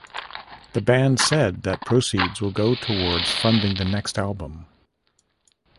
The band said that proceeds will go towards funding the next album.